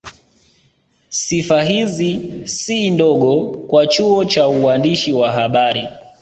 Sifa hizi si ndogo kwa chuo cha uandishi wa habari